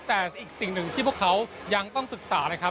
แต่อีกสิ่งหนึ่งที่พวกเขายังต้องศึกษานะครับ